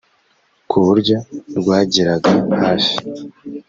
ku buryo rwageraga hafi